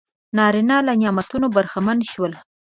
نارینه له نعمتونو برخمن شول.